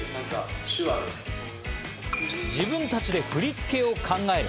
自分たちで振り付けを考える。